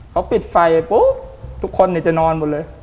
เขาปิดไฟปุ๊บทุกคนจะนอนหมดเลย